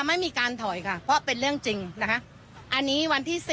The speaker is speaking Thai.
ไม่มีใครถอยอันนั้นเป็นข้าวลวงแล้วมั่ว